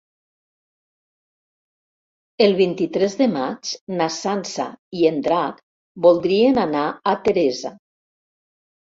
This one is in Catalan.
El vint-i-tres de maig na Sança i en Drac voldrien anar a Teresa.